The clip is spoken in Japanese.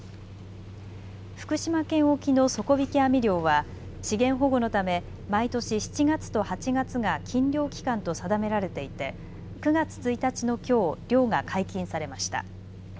福島県沖の底引き網漁は資源保護のため毎年７月と８月が禁漁期間と定められていて、９月１日のきょう、漁が解禁されました。